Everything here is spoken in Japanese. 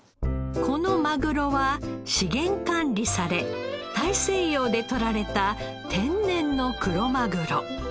このマグロは資源管理され大西洋で取られた天然のクロマグロ。